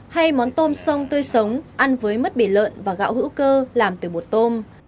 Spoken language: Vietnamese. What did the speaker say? hay món tôm sông tươi sống ăn với mất bể lợn và gạo hữu cơ làm từ bột tôm